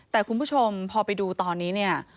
แต่คุณผู้ชมพอไปดูตอนนี้เนี่ย